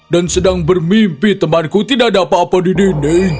dan sedang bermimpi temanku tidak ada apa apa di dinding